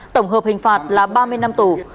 tổng hợp hình phạt là ba mươi năm tù